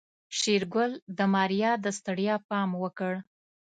شېرګل د ماريا د ستړيا پام وکړ.